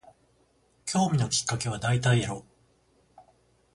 興味のきっかけは大体エロ